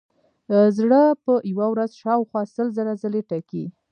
زړه په یوه ورځ شاوخوا سل زره ځلې ټکي.